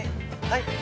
はい？